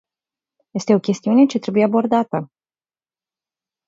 Este o chestiune ce trebuie abordată!